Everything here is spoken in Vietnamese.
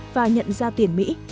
và nhận ra tiền mỹ